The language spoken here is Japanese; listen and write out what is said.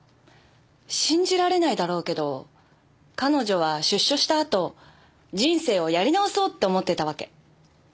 信じられないだろうけど彼女は出所したあと人生をやり直そうって思ってたわけ。